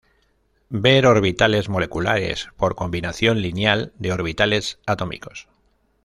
Ver Orbitales moleculares por combinación lineal de orbitales atómicos.